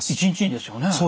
１日にですよね？